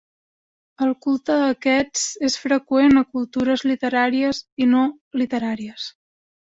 El culte a aquests és freqüent a cultures literàries i no literàries.